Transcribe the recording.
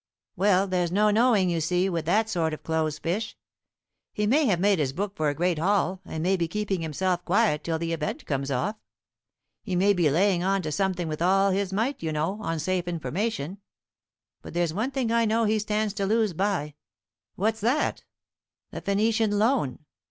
"Well, there's no knowing, you see, with that sort of close fish. He may have made his book for a great haul, and may be keeping himself quiet till the event comes off. He may be laying on to something with all his might, you know, on safe information. But there's one thing I know he stands to lose by." "What's that?" "The Phoenician Loan.